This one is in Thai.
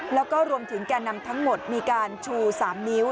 แล้วก็รวมถึงแก่นำทั้งหมดมีการชู๓นิ้ว